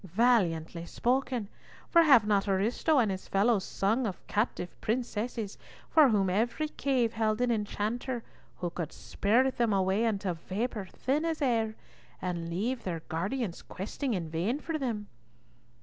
"Valiantly spoken, for have not Ariosto and his fellows sung of captive princesses for whom every cave held an enchanter who could spirit them away into vapour thin as air, and leave their guardians questing in vain for them?"